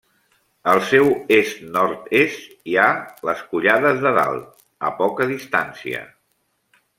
Al seu est-nord-est hi ha les Collades de Dalt, a poca distància.